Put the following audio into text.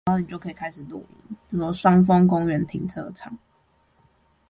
雙峰公園停車場